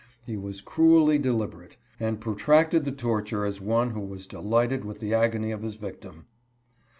He was cruelly deliberate, and protracted the torture as one who was delighted with the agony of his victim.